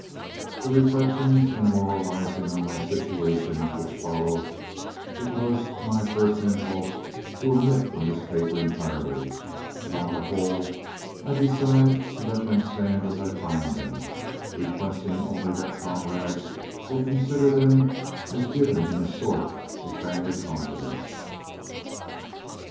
[The reflections and moralizings on my situation, which follow, it was my first impulse to omit from this paper entirely; but on the whole I decide to let them stand as I find them, requesting only that comrades will consider them as given in a sort of family confidence.